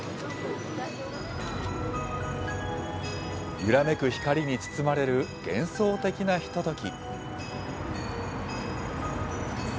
揺らめく光に包まれる幻想的なひととき。